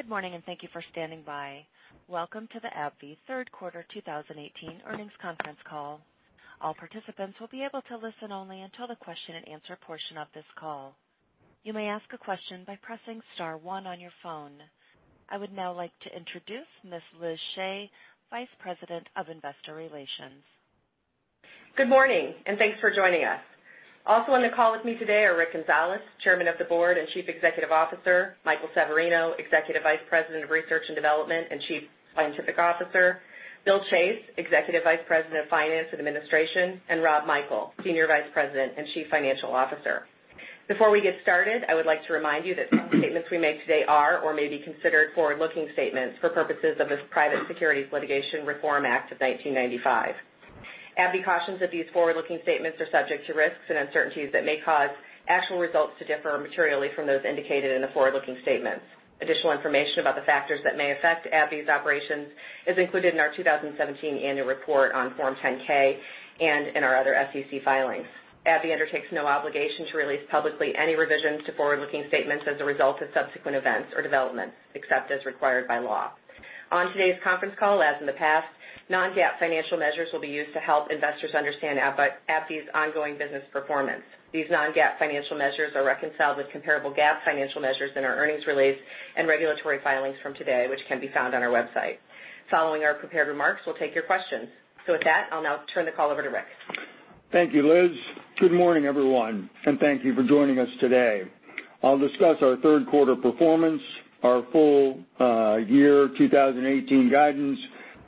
Good morning, thank you for standing by. Welcome to the AbbVie Third Quarter 2018 Earnings Conference Call. All participants will be able to listen only until the question and answer portion of this call. You may ask a question by pressing star one on your phone. I would now like to introduce Ms. Elizabeth Shea, Vice President of Investor Relations. Good morning, thanks for joining us. Also on the call with me today are Rick Gonzalez, Chairman of the Board and Chief Executive Officer, Michael Severino, Executive Vice President of Research and Development and Chief Scientific Officer, Bill Chase, Executive Vice President of Finance and Administration, and Rob Michael, Senior Vice President and Chief Financial Officer. Before we get started, I would like to remind you that some statements we make today are or may be considered forward-looking statements for purposes of this Private Securities Litigation Reform Act of 1995. AbbVie cautions that these forward-looking statements are subject to risks and uncertainties that may cause actual results to differ materially from those indicated in the forward-looking statements. Additional information about the factors that may affect AbbVie's operations is included in our 2017 annual report on Form 10-K and in our other SEC filings. AbbVie undertakes no obligation to release publicly any revisions to forward-looking statements as a result of subsequent events or developments, except as required by law. On today's conference call, as in the past, non-GAAP financial measures will be used to help investors understand AbbVie's ongoing business performance. These non-GAAP financial measures are reconciled with comparable GAAP financial measures in our earnings release and regulatory filings from today, which can be found on our website. Following our prepared remarks, we'll take your questions. With that, I'll now turn the call over to Rick. Thank you, Liz. Good morning, everyone, thank you for joining us today. I'll discuss our third quarter performance, our full year 2018 guidance,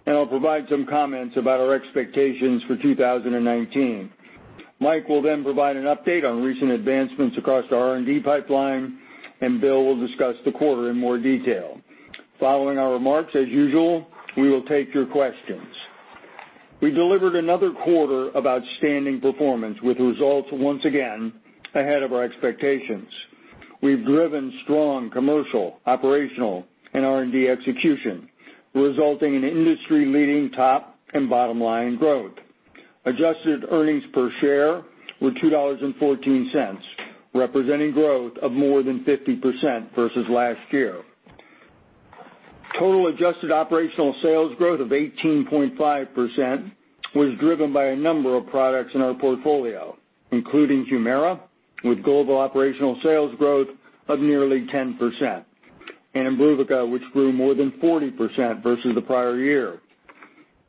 and I'll provide some comments about our expectations for 2019. Mike will then provide an update on recent advancements across our R&D pipeline, and Bill will discuss the quarter in more detail. Following our remarks, as usual, we will take your questions. We delivered another quarter of outstanding performance with results once again ahead of our expectations. We've driven strong commercial, operational, and R&D execution, resulting in industry-leading top and bottom-line growth. Adjusted earnings per share were $2.14, representing growth of more than 50% versus last year. Total adjusted operational sales growth of 18.5% was driven by a number of products in our portfolio, including Humira, with global operational sales growth of nearly 10%, and Imbruvica, which grew more than 40% versus the prior year.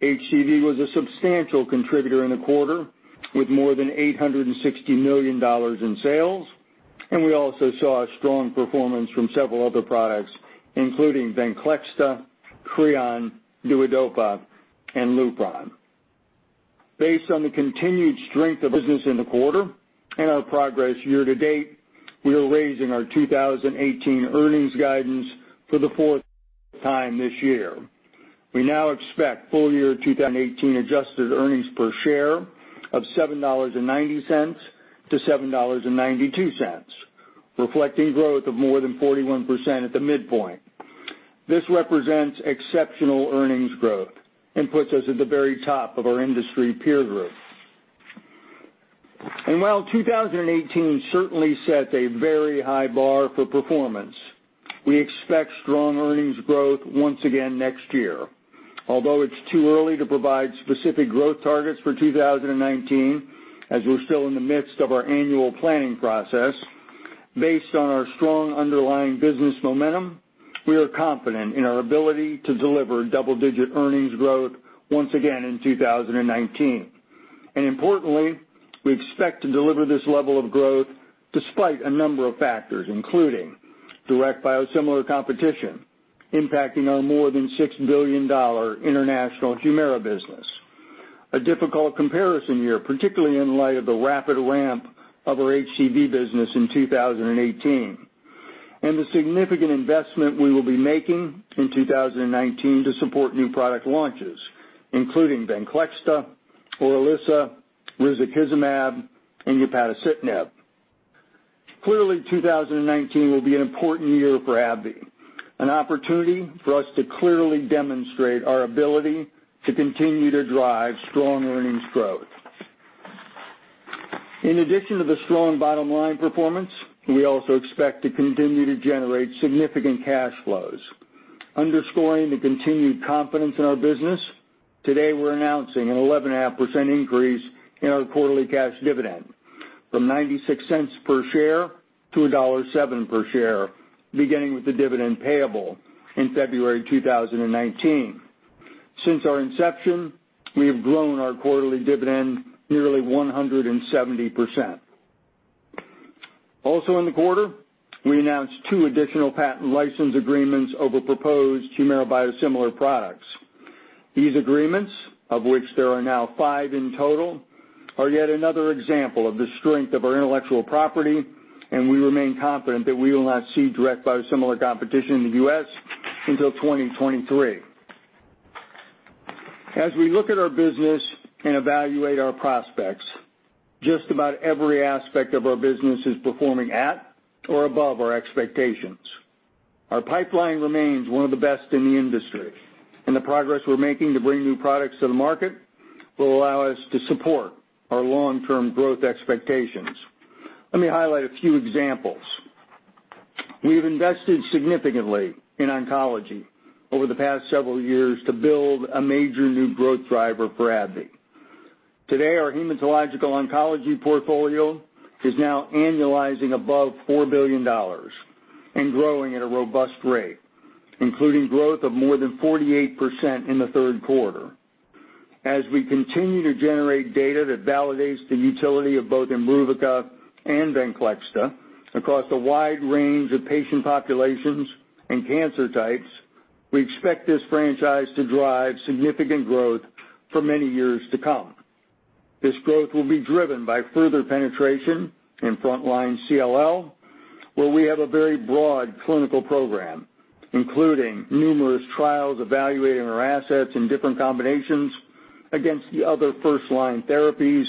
HCV was a substantial contributor in the quarter with more than $860 million in sales, we also saw a strong performance from several other products, including VENCLEXTA, CREON, DUODOPA, and LUPRON. Based on the continued strength of business in the quarter and our progress year to date, we are raising our 2018 earnings guidance for the fourth time this year. We now expect full-year 2018 adjusted earnings per share of $7.90 to $7.92, reflecting growth of more than 41% at the midpoint. This represents exceptional earnings growth and puts us at the very top of our industry peer group. While 2018 certainly set a very high bar for performance, we expect strong earnings growth once again next year. Although it's too early to provide specific growth targets for 2019, as we're still in the midst of our annual planning process, based on our strong underlying business momentum, we are confident in our ability to deliver double-digit earnings growth once again in 2019. Importantly, we expect to deliver this level of growth despite a number of factors, including direct biosimilar competition impacting our more than $6 billion international HUMIRA business, a difficult comparison year, particularly in light of the rapid ramp of our HCV business in 2018, and the significant investment we will be making in 2019 to support new product launches, including VENCLEXTA, ORILISSA, risankizumab, and upadacitinib. Clearly, 2019 will be an important year for AbbVie, an opportunity for us to clearly demonstrate our ability to continue to drive strong earnings growth. In addition to the strong bottom-line performance, we also expect to continue to generate significant cash flows. Underscoring the continued confidence in our business, today we're announcing an 11.5% increase in our quarterly cash dividend from $0.96 per share to $1.07 per share, beginning with the dividend payable in February 2019. Since our inception, we have grown our quarterly dividend nearly 170%. Also in the quarter, we announced two additional patent license agreements over proposed HUMIRA biosimilar products. These agreements, of which there are now five in total, are yet another example of the strength of our intellectual property, and we remain confident that we will not see direct biosimilar competition in the U.S. until 2023. As we look at our business and evaluate our prospects, just about every aspect of our business is performing at or above our expectations. Our pipeline remains one of the best in the industry, the progress we're making to bring new products to the market will allow us to support our long-term growth expectations. Let me highlight a few examples. We've invested significantly in oncology over the past several years to build a major new growth driver for AbbVie. Today, our hematological oncology portfolio is now annualizing above $4 billion and growing at a robust rate, including growth of more than 48% in the third quarter. As we continue to generate data that validates the utility of both IMBRUVICA and VENCLEXTA across a wide range of patient populations and cancer types, we expect this franchise to drive significant growth for many years to come. This growth will be driven by further penetration in frontline CLL, where we have a very broad clinical program, including numerous trials evaluating our assets in different combinations against the other first-line therapies,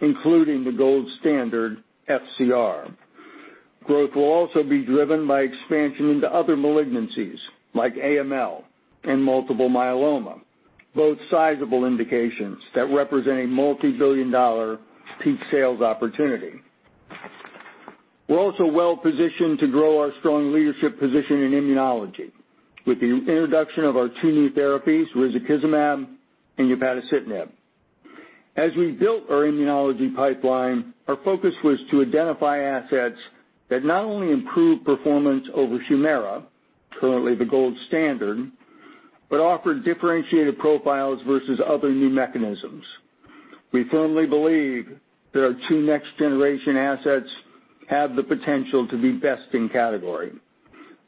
including the gold standard FCR. Growth will also be driven by expansion into other malignancies like AML and multiple myeloma, both sizable indications that represent a multibillion-dollar peak sales opportunity. We're also well-positioned to grow our strong leadership position in immunology with the introduction of our two new therapies, risankizumab and upadacitinib. As we built our immunology pipeline, our focus was to identify assets that not only improve performance over Humira, currently the gold standard, but offer differentiated profiles versus other new mechanisms. We firmly believe that our two next-generation assets have the potential to be best in category.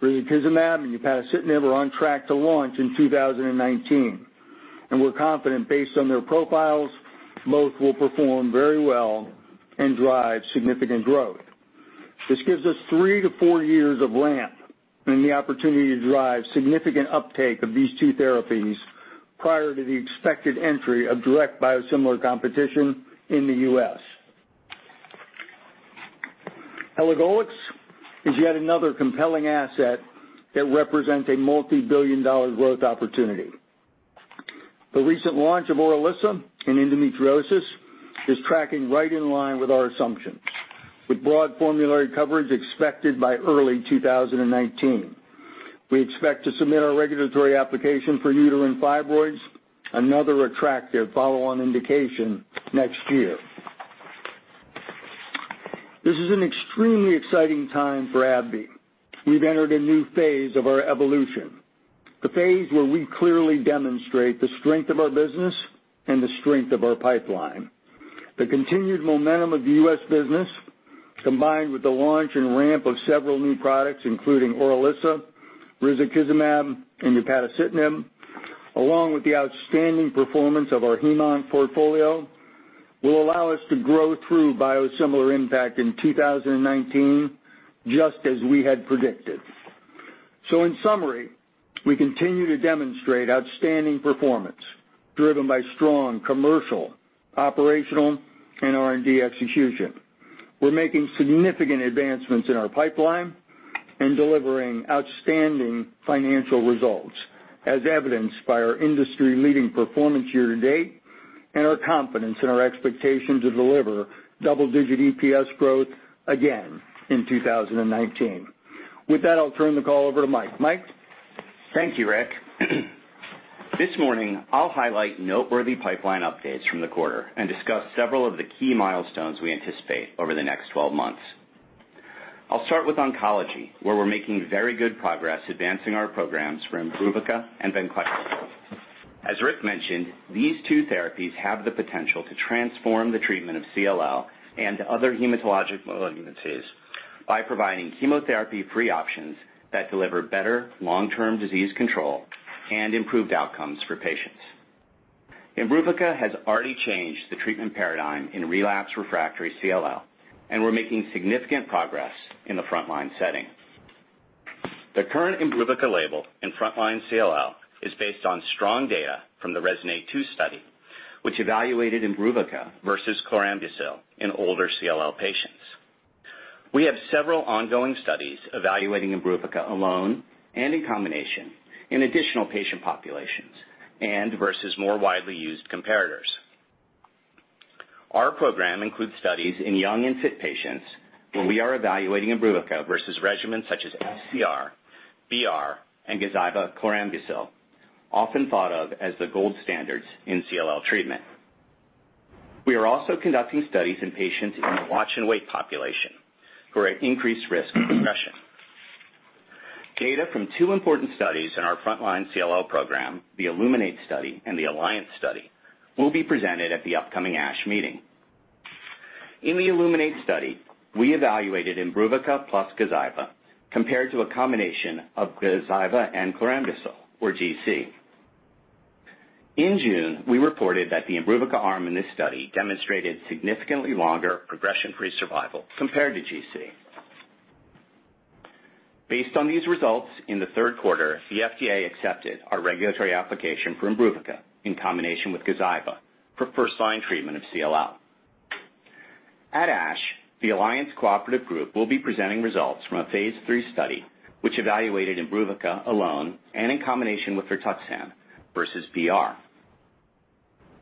risankizumab and upadacitinib are on track to launch in 2019. We're confident, based on their profiles, both will perform very well and drive significant growth. This gives us three to four years of ramp and the opportunity to drive significant uptake of these two therapies prior to the expected entry of direct biosimilar competition in the U.S. elagolix is yet another compelling asset that represents a multibillion-dollar growth opportunity. The recent launch of ORILISSA in endometriosis is tracking right in line with our assumptions, with broad formulary coverage expected by early 2019. We expect to submit our regulatory application for uterine fibroids, another attractive follow-on indication, next year. This is an extremely exciting time for AbbVie. We've entered a new phase of our evolution, the phase where we clearly demonstrate the strength of our business and the strength of our pipeline. The continued momentum of the U.S. business, combined with the launch and ramp of several new products, including ORILISSA, risankizumab, and upadacitinib, along with the outstanding performance of our heme onc portfolio, will allow us to grow through biosimilar impact in 2019, just as we had predicted. In summary, we continue to demonstrate outstanding performance driven by strong commercial, operational, and R&D execution. We're making significant advancements in our pipeline and delivering outstanding financial results, as evidenced by our industry-leading performance year-to-date and our confidence in our expectation to deliver double-digit EPS growth again in 2019. With that, I'll turn the call over to Mike. Mike? Thank you, Rick. This morning, I'll highlight noteworthy pipeline updates from the quarter and discuss several of the key milestones we anticipate over the next 12 months. I'll start with oncology, where we're making very good progress advancing our programs for Imbruvica and VENCLEXTA. As Rick mentioned, these two therapies have the potential to transform the treatment of CLL and other hematologic malignancies by providing chemotherapy-free options that deliver better long-term disease control and improved outcomes for patients. Imbruvica has already changed the treatment paradigm in relapsed/refractory CLL. We're making significant progress in the frontline setting. The current Imbruvica label in frontline CLL is based on strong data from the RESONATE-2 study, which evaluated Imbruvica versus chlorambucil in older CLL patients. We have several ongoing studies evaluating Imbruvica alone and in combination in additional patient populations and versus more widely used comparators. Our program includes studies in young and fit patients where we are evaluating Imbruvica versus regimens such as FCR, BR, and GAZYVA/chlorambucil, often thought of as the gold standards in CLL treatment. We are also conducting studies in patients in the watch and wait population who are at increased risk of progression. Data from two important studies in our frontline CLL program, the iLLUMINATE study and the Alliance study, will be presented at the upcoming ASH meeting. In the iLLUMINATE study, we evaluated Imbruvica plus GAZYVA compared to a combination of GAZYVA and chlorambucil, or GC. In June, we reported that the Imbruvica arm in this study demonstrated significantly longer progression-free survival compared to GC. Based on these results, in the third quarter, the FDA accepted our regulatory application for Imbruvica in combination with GAZYVA for first-line treatment of CLL. At ASH, the Alliance Cooperative Group will be presenting results from a phase III study which evaluated Imbruvica alone and in combination with rituximab versus BR.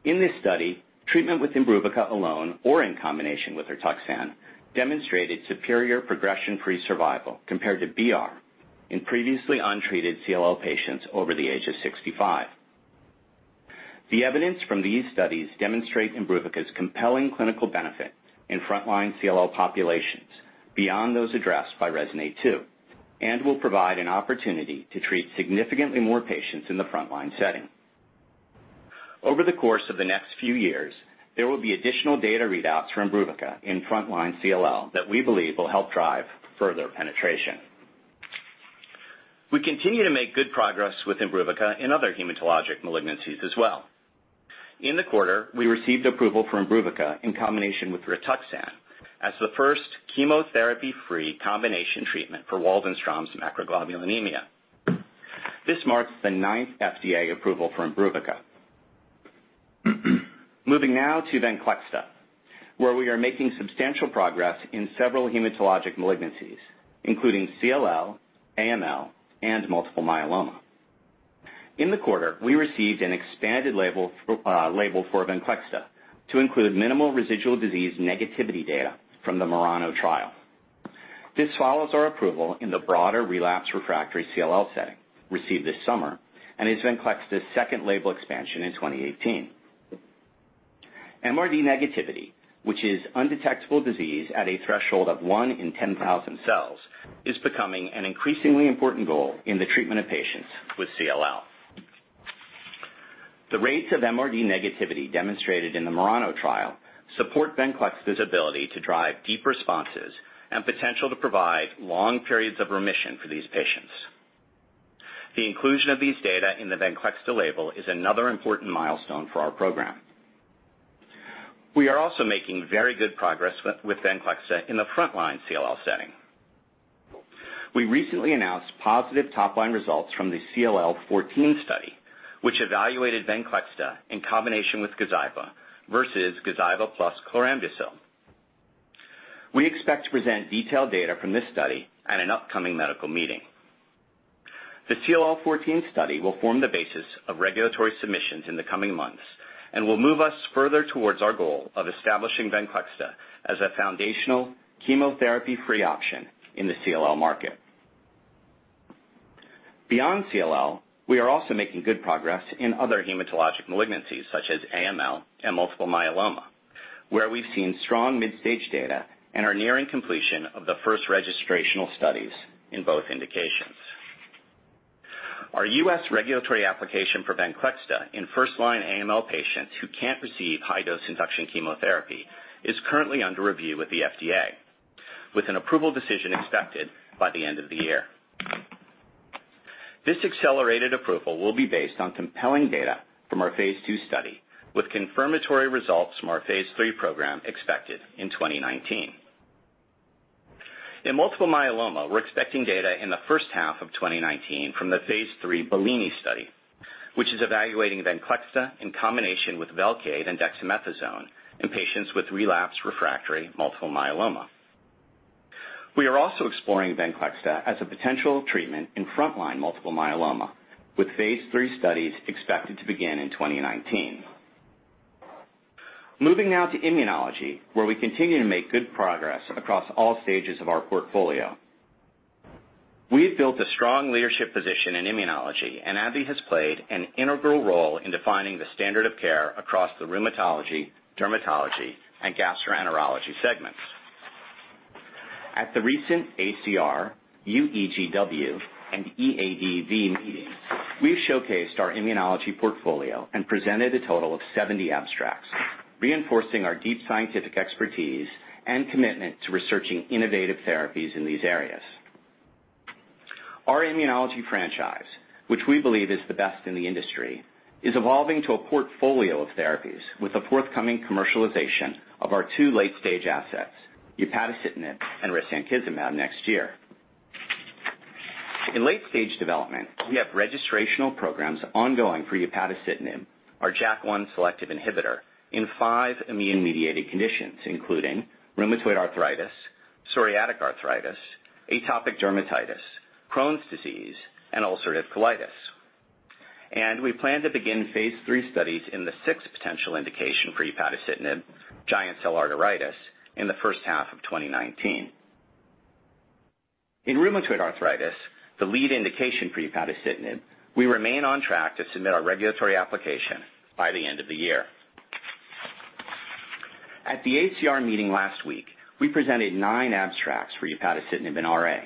In this study, treatment with Imbruvica alone or in combination with RITUXAN demonstrated superior progression-free survival compared to BR in previously untreated CLL patients over the age of 65. The evidence from these studies demonstrate Imbruvica's compelling clinical benefit in frontline CLL populations beyond those addressed by RESONATE-2 and will provide an opportunity to treat significantly more patients in the frontline setting. Over the course of the next few years, there will be additional data readouts for Imbruvica in frontline CLL that we believe will help drive further penetration. We continue to make good progress with Imbruvica in other hematologic malignancies as well. In the quarter, we received approval for Imbruvica in combination with RITUXAN as the first chemotherapy-free combination treatment for Waldenstrom's macroglobulinemia. This marks the ninth FDA approval for Imbruvica. Moving now to VENCLEXTA, where we are making substantial progress in several hematologic malignancies, including CLL, AML, and multiple myeloma. In the quarter, we received an expanded label for VENCLEXTA to include minimal residual disease negativity data from the MURANO trial. This follows our approval in the broader relapse refractory CLL setting received this summer and is VENCLEXTA's second label expansion in 2018. MRD negativity, which is undetectable disease at a threshold of one in 10,000 cells, is becoming an increasingly important goal in the treatment of patients with CLL. The rates of MRD negativity demonstrated in the MURANO trial support VENCLEXTA's ability to drive deep responses and potential to provide long periods of remission for these patients. The inclusion of these data in the VENCLEXTA label is another important milestone for our program. We are also making very good progress with VENCLEXTA in the frontline CLL setting. We recently announced positive top-line results from the CLL14 study, which evaluated VENCLEXTA in combination with GAZYVA versus GAZYVA plus chlorambucil. We expect to present detailed data from this study at an upcoming medical meeting. The CLL14 study will form the basis of regulatory submissions in the coming months and will move us further towards our goal of establishing VENCLEXTA as a foundational chemotherapy-free option in the CLL market. Beyond CLL, we are also making good progress in other hematologic malignancies such as AML and multiple myeloma, where we've seen strong mid-stage data and are nearing completion of the first registrational studies in both indications. Our U.S. regulatory application for VENCLEXTA in first-line AML patients who can't receive high-dose induction chemotherapy is currently under review with the FDA, with an approval decision expected by the end of the year. This accelerated approval will be based on compelling data from our phase II study, with confirmatory results from our phase III program expected in 2019. In multiple myeloma, we're expecting data in the first half of 2019 from the phase III BELLINI study, which is evaluating VENCLEXTA in combination with VELCADE and dexamethasone in patients with relapse refractory multiple myeloma. We are also exploring VENCLEXTA as a potential treatment in frontline multiple myeloma, with phase III studies expected to begin in 2019. Moving now to immunology, where we continue to make good progress across all stages of our portfolio. We have built a strong leadership position in immunology. AbbVie has played an integral role in defining the standard of care across the rheumatology, dermatology, and gastroenterology segments. At the recent ACR, UEGW, and EADV meetings, we showcased our immunology portfolio and presented a total of 70 abstracts, reinforcing our deep scientific expertise and commitment to researching innovative therapies in these areas. Our immunology franchise, which we believe is the best in the industry, is evolving to a portfolio of therapies with the forthcoming commercialization of our two late-stage assets, upadacitinib and risankizumab, next year. In late-stage development, we have registrational programs ongoing for upadacitinib, our JAK1 selective inhibitor, in five immune-mediated conditions, including rheumatoid arthritis, psoriatic arthritis, atopic dermatitis, Crohn's disease, and ulcerative colitis. We plan to begin phase III studies in the sixth potential indication for upadacitinib, giant cell arteritis, in the first half of 2019. In rheumatoid arthritis, the lead indication for upadacitinib, we remain on track to submit our regulatory application by the end of the year. At the ACR meeting last week, we presented nine abstracts for upadacitinib in RA,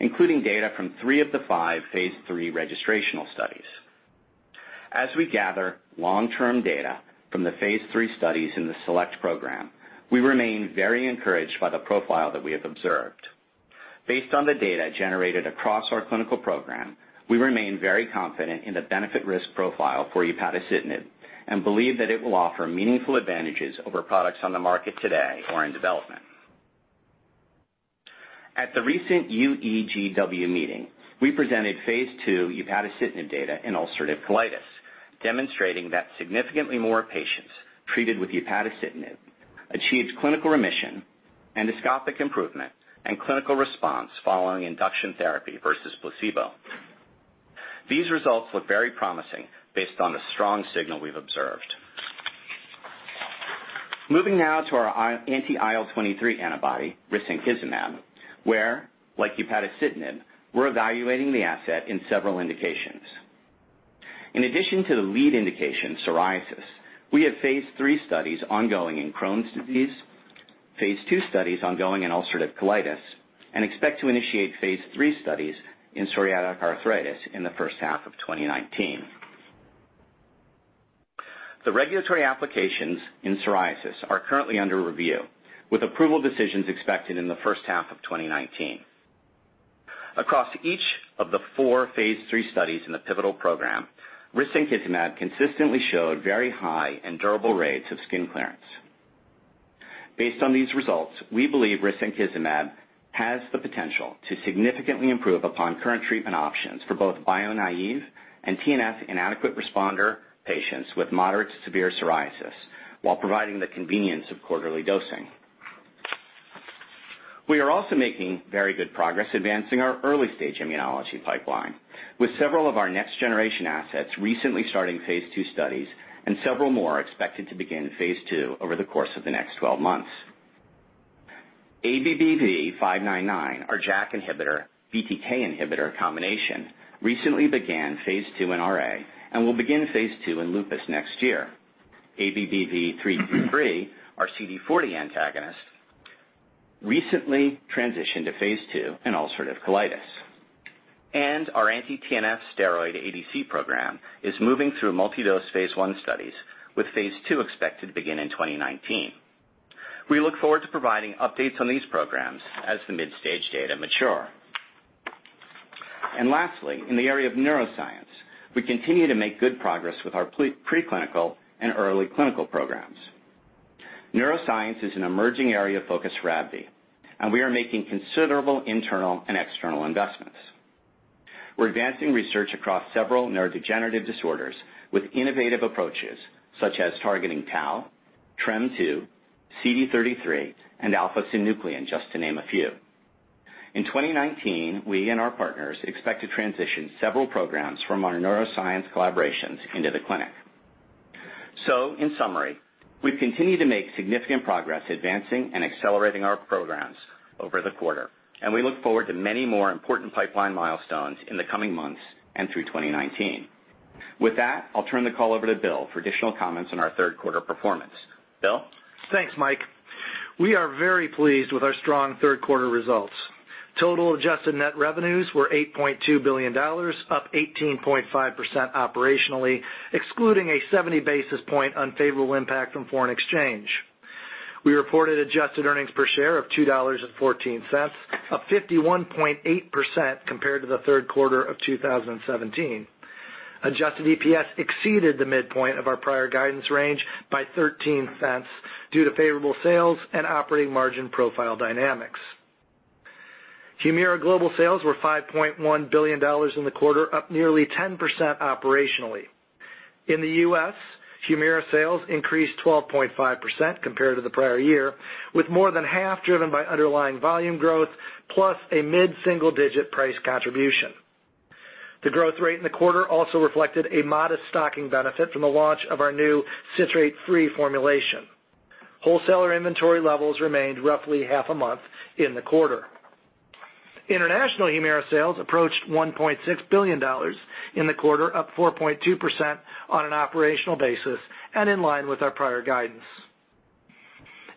including data from three of the five phase III registrational studies. As we gather long-term data from the phase III studies in the SELECT program, we remain very encouraged by the profile that we have observed. Based on the data generated across our clinical program, we remain very confident in the benefit/risk profile for upadacitinib and believe that it will offer meaningful advantages over products on the market today or in development. At the recent UEGW meeting, we presented phase II upadacitinib data in ulcerative colitis, demonstrating that significantly more patients treated with upadacitinib achieved clinical remission, endoscopic improvement, and clinical response following induction therapy versus placebo. These results look very promising based on the strong signal we've observed. Moving now to our anti-IL-23 antibody, risankizumab, where, like upadacitinib, we're evaluating the asset in several indications. In addition to the lead indication, psoriasis, we have phase III studies ongoing in Crohn's disease, phase II studies ongoing in ulcerative colitis. We expect to initiate phase III studies in psoriatic arthritis in the first half of 2019. The regulatory applications in psoriasis are currently under review, with approval decisions expected in the first half of 2019. Across each of the four phase III studies in the pivotal program, risankizumab consistently showed very high and durable rates of skin clearance. Based on these results, we believe risankizumab has the potential to significantly improve upon current treatment options for both bio-naive and TNF inadequate responder patients with moderate to severe psoriasis while providing the convenience of quarterly dosing. We are also making very good progress advancing our early-stage immunology pipeline, with several of our next-generation assets recently starting phase II studies and several more expected to begin phase II over the course of the next 12 months. ABBV-599, our JAK inhibitor, BTK inhibitor combination recently began phase II in RA and will begin phase II in lupus next year. ABBV-323, our CD40 antagonist, recently transitioned to phase II in ulcerative colitis. Our anti-TNF steroid ADC program is moving through multi-dose phase I studies with phase II expected to begin in 2019. We look forward to providing updates on these programs as the mid-stage data mature. Lastly, in the area of neuroscience, we continue to make good progress with our pre-clinical and early clinical programs. Neuroscience is an emerging area of focus for AbbVie, and we are making considerable internal and external investments. We're advancing research across several neurodegenerative disorders with innovative approaches such as targeting Tau, TREM2, CD33, and alpha-synuclein, just to name a few. In 2019, we and our partners expect to transition several programs from our neuroscience collaborations into the clinic. In summary, we've continued to make significant progress advancing and accelerating our programs over the quarter, and we look forward to many more important pipeline milestones in the coming months and through 2019. With that, I'll turn the call over to Bill for additional comments on our third quarter performance. Bill? Thanks, Mike. We are very pleased with our strong third quarter results. Total adjusted net revenues were $8.2 billion, up 18.5% operationally, excluding a 70 basis point unfavorable impact from foreign exchange. We reported adjusted earnings per share of $2.14, up 51.8% compared to the third quarter of 2017. Adjusted EPS exceeded the midpoint of our prior guidance range by $0.13 due to favorable sales and operating margin profile dynamics. Humira global sales were $5.1 billion in the quarter, up nearly 10% operationally. In the U.S., Humira sales increased 12.5% compared to the prior year, with more than half driven by underlying volume growth, plus a mid-single-digit price contribution. The growth rate in the quarter also reflected a modest stocking benefit from the launch of our new citrate-free formulation. Wholesaler inventory levels remained roughly half a month in the quarter. International Humira sales approached $1.6 billion in the quarter, up 4.2% on an operational basis and in line with our prior guidance.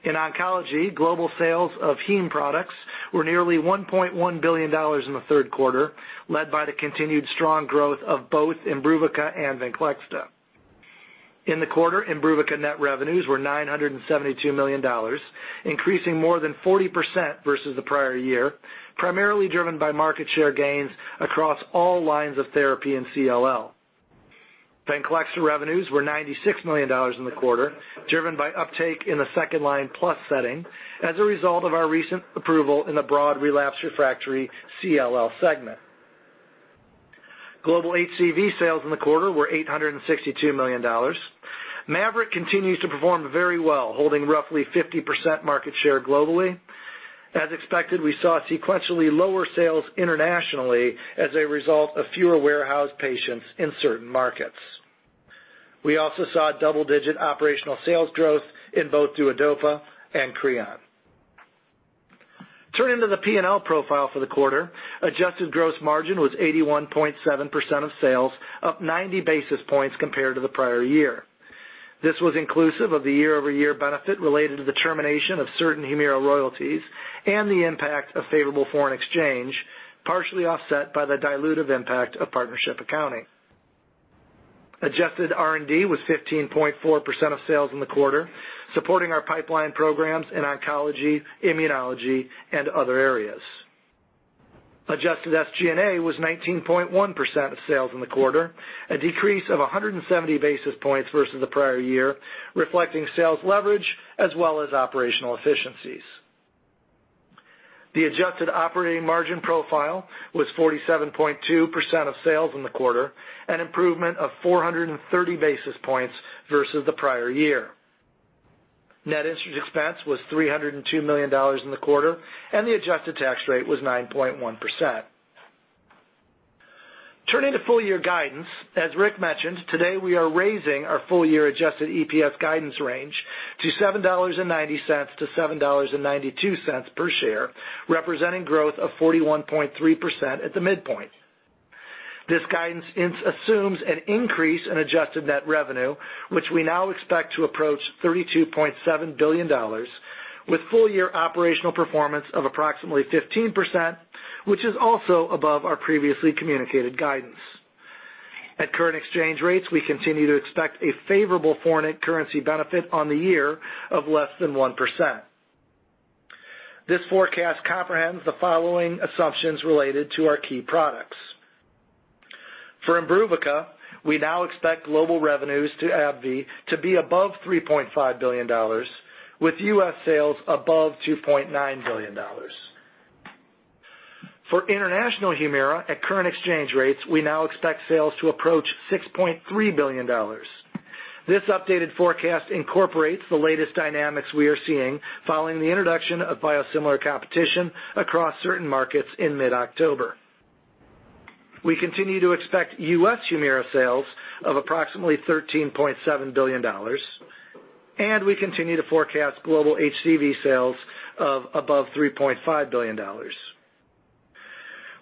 In oncology, global sales of heme products were nearly $1.1 billion in the third quarter, led by the continued strong growth of both IMBRUVICA and VENCLEXTA. In the quarter, IMBRUVICA net revenues were $972 million, increasing more than 40% versus the prior year, primarily driven by market share gains across all lines of therapy in CLL. VENCLEXTA revenues were $96 million in the quarter, driven by uptake in the second-line plus setting as a result of our recent approval in the broad relapsed refractory CLL segment. Global HCV sales in the quarter were $862 million. Mavyret continues to perform very well, holding roughly 50% market share globally. As expected, we saw sequentially lower sales internationally as a result of fewer warehoused patients in certain markets. We also saw double-digit operational sales growth in both DUODOPA and CREON. Turning to the P&L profile for the quarter, adjusted gross margin was 81.7% of sales, up 90 basis points compared to the prior year. This was inclusive of the year-over-year benefit related to the termination of certain Humira royalties and the impact of favorable foreign exchange, partially offset by the dilutive impact of partnership accounting. Adjusted R&D was 15.4% of sales in the quarter, supporting our pipeline programs in oncology, immunology, and other areas. Adjusted SG&A was 19.1% of sales in the quarter, a decrease of 170 basis points versus the prior year, reflecting sales leverage as well as operational efficiencies. The adjusted operating margin profile was 47.2% of sales in the quarter, an improvement of 430 basis points versus the prior year. Net interest expense was $302 million in the quarter, and the adjusted tax rate was 9.1%. Turning to full-year guidance, as Rick mentioned, today we are raising our full-year adjusted EPS guidance range to $7.90 to $7.92 per share, representing growth of 41.3% at the midpoint. This guidance assumes an increase in adjusted net revenue, which we now expect to approach $32.7 billion, with full-year operational performance of approximately 15%, which is also above our previously communicated guidance. At current exchange rates, we continue to expect a favorable foreign currency benefit on the year of less than 1%. This forecast comprehends the following assumptions related to our key products. For Imbruvica, we now expect global revenues to AbbVie to be above $3.5 billion, with U.S. sales above $2.9 billion. For international Humira, at current exchange rates, we now expect sales to approach $6.3 billion. This updated forecast incorporates the latest dynamics we are seeing following the introduction of biosimilar competition across certain markets in mid-October. We continue to expect U.S. Humira sales of approximately $13.7 billion, and we continue to forecast global HCV sales of above $3.5 billion.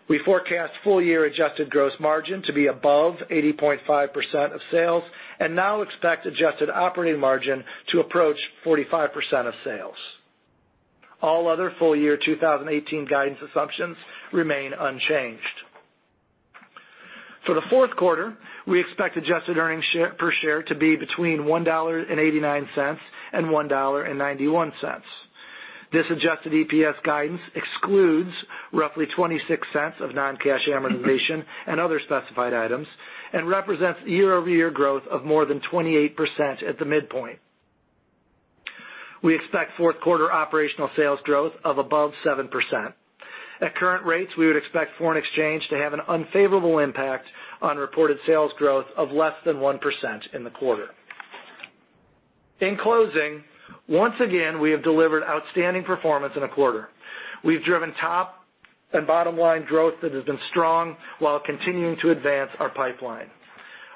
We forecast full-year adjusted gross margin to be above 80.5% of sales and now expect adjusted operating margin to approach 45% of sales. All other full-year 2018 guidance assumptions remain unchanged. For the fourth quarter, we expect adjusted earnings per share to be between $1.89 and $1.91. This adjusted EPS guidance excludes roughly $0.26 of non-cash amortization and other specified items and represents year-over-year growth of more than 28% at the midpoint. We expect fourth quarter operational sales growth of above 7%. At current rates, we would expect foreign exchange to have an unfavorable impact on reported sales growth of less than 1% in the quarter. In closing, once again, we have delivered outstanding performance in a quarter. We've driven top and bottom-line growth that has been strong while continuing to advance our pipeline.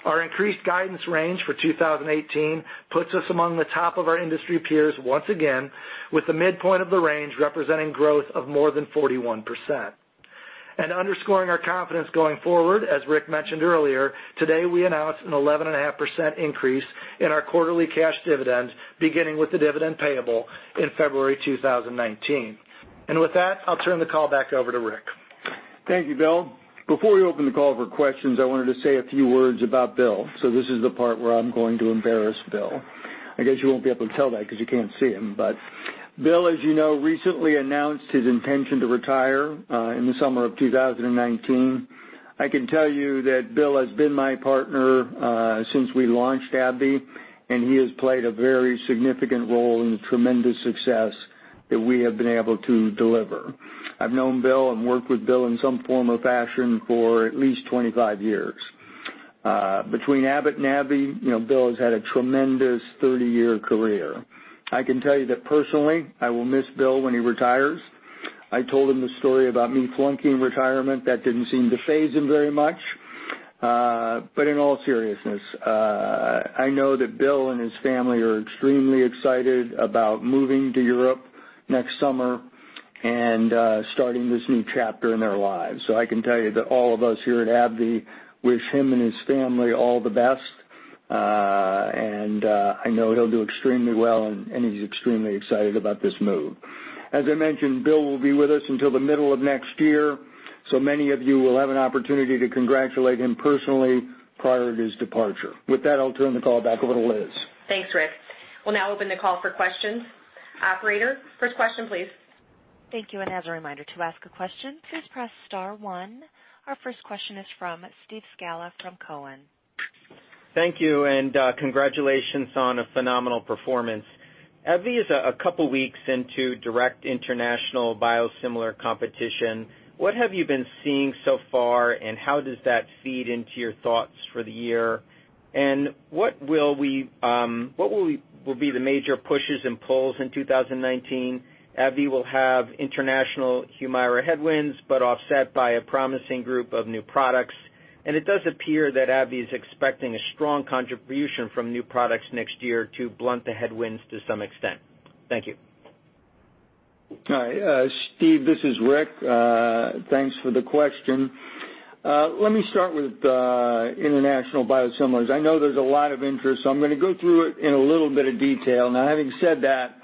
Our increased guidance range for 2018 puts us among the top of our industry peers once again, with the midpoint of the range representing growth of more than 41%. Underscoring our confidence going forward, as Rick mentioned earlier, today, we announced an 11.5% increase in our quarterly cash dividend, beginning with the dividend payable in February 2019. With that, I'll turn the call back over to Rick. Thank you, Bill. Before we open the call for questions, I wanted to say a few words about Bill. This is the part where I'm going to embarrass Bill. I guess you won't be able to tell that because you can't see him. Bill, as you know, recently announced his intention to retire in the summer of 2019. I can tell you that Bill has been my partner since we launched AbbVie, and he has played a very significant role in the tremendous success that we have been able to deliver. I've known Bill and worked with Bill in some form or fashion for at least 25 years. Between Abbott and AbbVie, Bill has had a tremendous 30-year career. I can tell you that personally, I will miss Bill when he retires. I told him the story about me flunking retirement. That didn't seem to faze him very much. In all seriousness, I know that Bill and his family are extremely excited about moving to Europe next summer and starting this new chapter in their lives. I can tell you that all of us here at AbbVie wish him and his family all the best, and I know he'll do extremely well, and he's extremely excited about this move. As I mentioned, Bill will be with us until the middle of next year. Many of you will have an opportunity to congratulate him personally prior to his departure. With that, I'll turn the call back over to Liz. Thanks, Rick. We'll now open the call for questions. Operator, first question, please. Thank you. As a reminder, to ask a question, please press star one. Our first question is from Steve Scala from Cowen. Thank you, and congratulations on a phenomenal performance. AbbVie is a couple of weeks into direct international biosimilar competition. What have you been seeing so far, and how does that feed into your thoughts for the year? What will be the major pushes and pulls in 2019? AbbVie will have international Humira headwinds, but offset by a promising group of new products. It does appear that AbbVie is expecting a strong contribution from new products next year to blunt the headwinds to some extent. Thank you. All right. Steve, this is Rick. Thanks for the question. Let me start with international biosimilars. I know there's a lot of interest, so I'm going to go through it in a little bit of detail. Having said that,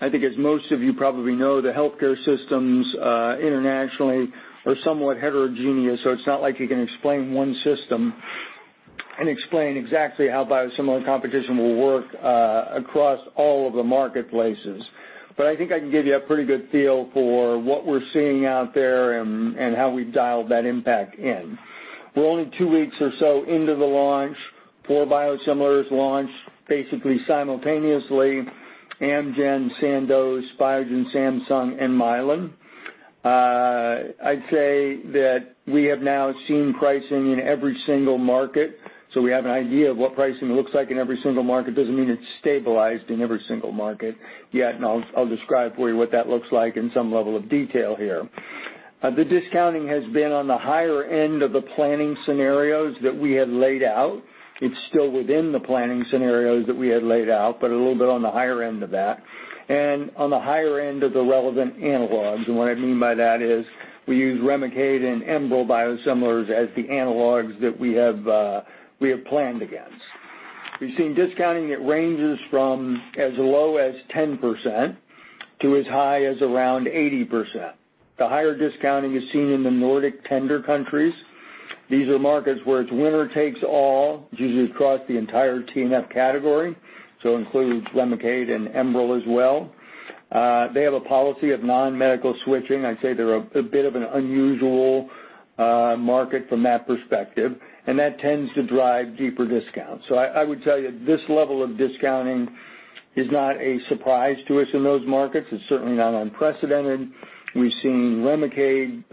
I think as most of you probably know, the healthcare systems internationally are somewhat heterogeneous, so it's not like you can explain one system and explain exactly how biosimilar competition will work across all of the marketplaces. I think I can give you a pretty good feel for what we're seeing out there and how we've dialed that impact in. We're only two weeks or so into the launch. Four biosimilars launched basically simultaneously, Amgen, Sandoz, Biogen, Samsung, and Mylan. I'd say that we have now seen pricing in every single market, so we have an idea of what pricing looks like in every single market. Doesn't mean it's stabilized in every single market yet, and I'll describe for you what that looks like in some level of detail here. The discounting has been on the higher end of the planning scenarios that we had laid out. It's still within the planning scenarios that we had laid out, but a little bit on the higher end of that, and on the higher end of the relevant analogs. What I mean by that is we use Remicade and Enbrel biosimilars as the analogs that we have planned against. We've seen discounting it ranges from as low as 10% to as high as around 80%. The higher discounting is seen in the Nordic tender countries. These are markets where it's winner takes all, usually across the entire TNF category, so includes Remicade and Enbrel as well. They have a policy of non-medical switching. I'd say they're a bit of an unusual market from that perspective, and that tends to drive deeper discounts. I would tell you this level of discounting is not a surprise to us in those markets. It's certainly not unprecedented. We've seen Remicade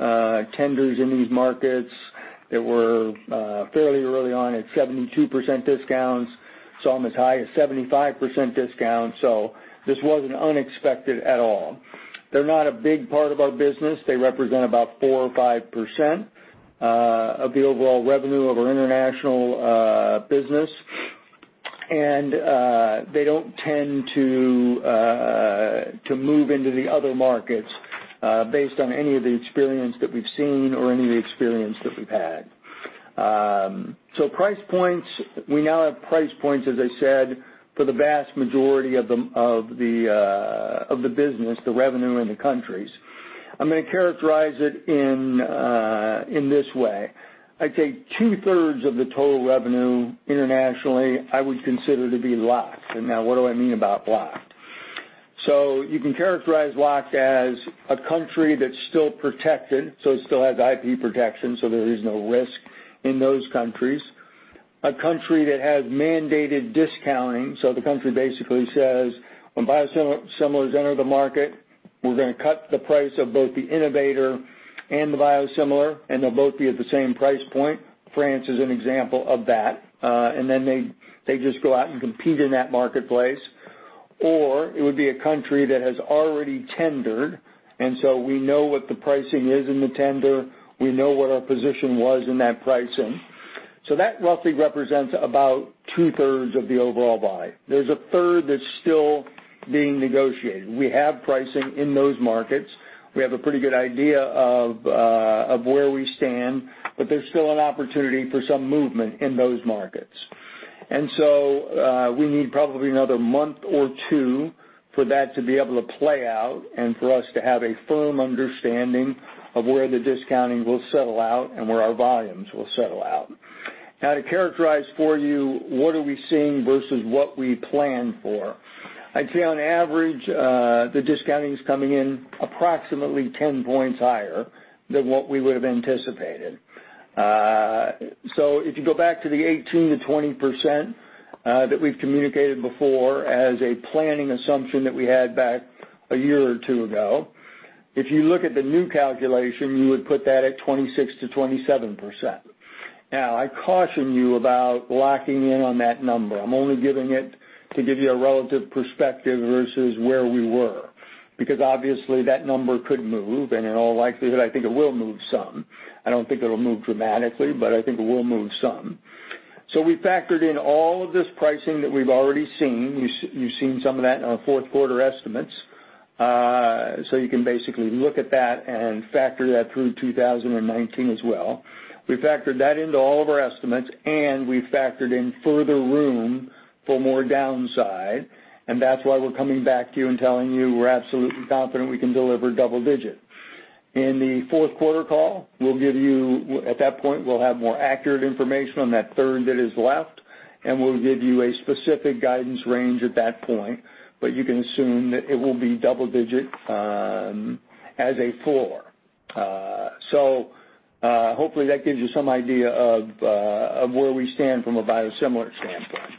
tenders in these markets that were fairly early on at 72% discounts, some as high as 75% discounts, so this wasn't unexpected at all. They're not a big part of our business. They represent about 4% or 5% of the overall revenue of our international business. They don't tend to move into the other markets based on any of the experience that we've seen or any of the experience that we've had. Price points, we now have price points, as I said, for the vast majority of the business, the revenue in the countries. I'm going to characterize it in this way. I'd say two-thirds of the total revenue internationally, I would consider to be locked. Now what do I mean about locked? You can characterize locked as a country that's still protected, so it still has IP protection, so there is no risk in those countries. A country that has mandated discounting, so the country basically says, when biosimilars enter the market, we're going to cut the price of both the innovator and the biosimilar, and they'll both be at the same price point. France is an example of that. They just go out and compete in that marketplace. It would be a country that has already tendered, so we know what the pricing is in the tender. We know what our position was in that pricing. That roughly represents about two-thirds of the overall buy. There's a third that's still being negotiated. We have pricing in those markets. We have a pretty good idea of where we stand, but there's still an opportunity for some movement in those markets. We need probably another month or two for that to be able to play out and for us to have a firm understanding of where the discounting will settle out and where our volumes will settle out. Now to characterize for you what are we seeing versus what we plan for. I'd say on average, the discounting is coming in approximately 10 points higher than what we would have anticipated. If you go back to the 18%-20% that we've communicated before as a planning assumption that we had back a year or two ago, if you look at the new calculation, you would put that at 26%-27%. Now, I caution you about locking in on that number. I'm only giving it to give you a relative perspective versus where we were, because obviously that number could move, and in all likelihood, I think it will move some. I don't think it'll move dramatically, but I think it will move some. We factored in all of this pricing that we've already seen. You've seen some of that in our fourth quarter estimates. You can basically look at that and factor that through 2019 as well. We factored that into all of our estimates, and we factored in further room for more downside, and that's why we're coming back to you and telling you we're absolutely confident we can deliver double digit. In the fourth quarter call, at that point, we'll have more accurate information on that third that is left, and we'll give you a specific guidance range at that point, but you can assume that it will be double digit as a floor. Hopefully that gives you some idea of where we stand from a biosimilar standpoint.